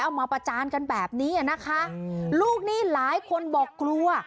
มาประจานกันแบบนี้อ่ะนะคะลูกหนี้หลายคนบอกกลัว